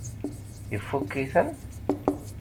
Ifukk-iten?